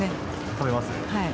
食べます？